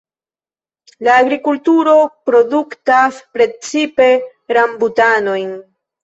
La agrikulturo produktas precipe rambutanojn.